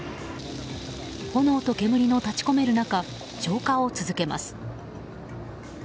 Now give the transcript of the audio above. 炎と煙の立ち込める中消火を続けます。